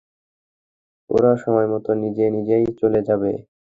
ওরা সময়মত নিজে নিজেই চলে যাবে।